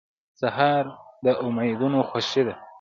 سهار د امیدونو خوښي ده.